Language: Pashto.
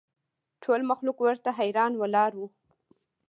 ټول مخلوق ورته حیران ولاړ ول